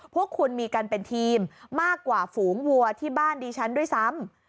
พวกคุณมีกันเป็นทีมมากกว่าฝูงวัวที่บ้านดิฉันด้วยซ้ำ